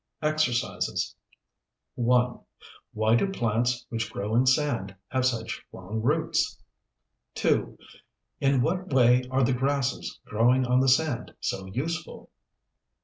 EXERCISES 1. Why do plants which grow in sand have such long roots? 2. In what way are the grasses growing on the sand so useful?